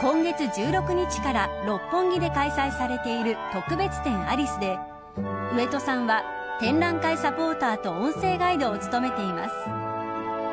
今月１６日から六本木で開催されている特別展アリスで上戸さんは展覧会サポーターと音声ガイドを務めています。